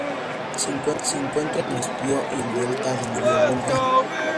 Se encuentra en el mar Caspio y el delta del río Volga.